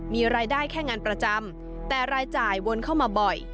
มีรายได้แค่งานประจำแต่รายจ่ายวนเข้ามาบ่อย